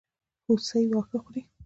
هوسۍ واښه خوري.